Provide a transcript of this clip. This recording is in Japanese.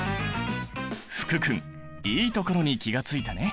福君いいところに気が付いたね。